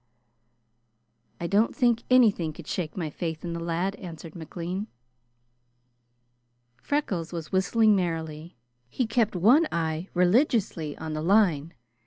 "I don't think anything could shake my faith in the lad," answered McLean. Freckles was whistling merrily. He kept one eye religiously on the line.